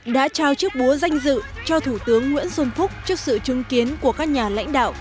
đã trao chiếc búa danh dự cho thủ tướng nguyễn xuân phúc trước sự chứng kiến của các nhà lãnh đạo